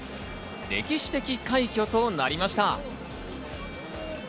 歴史的快挙となりました。